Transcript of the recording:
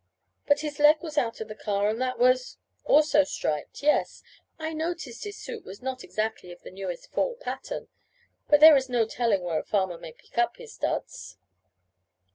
"But his leg was out of the car, and that was " "Also striped. Yes, I noticed his suit was not exactly of the newest fall pattern, but there is no telling where a farmer may pick up his duds.